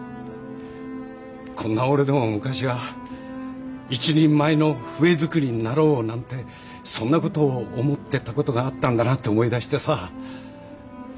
こんな俺でも昔は一人前の笛作りになろうなんてそんな事を思ってた事があったんだなって思い出してさ。